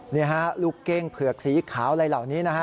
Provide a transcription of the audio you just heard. นี่ฮะลูกเก้งเผือกสีขาวอะไรเหล่านี้นะฮะ